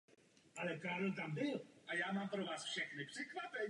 Vůbec první slova filmu jsou „Frédéric je mrtvý“.